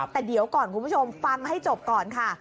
แต่เดี๋ยวก่อนคุณผู้ชมฟังให้จบก่อนค่ะ